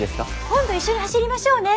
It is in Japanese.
今度一緒に走りましょうね。